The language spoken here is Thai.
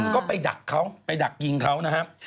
ก็ไปดักเขาไปดักยิงเขานะครับ